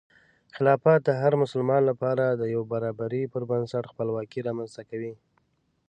خلافت د هر مسلمان لپاره د یو برابري پر بنسټ خپلواکي رامنځته کوي.